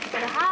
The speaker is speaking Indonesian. pak mangun apa